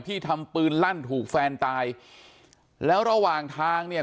ที่ทำปืนลั่นถูกแฟนตายแล้วระหว่างทางเนี่ย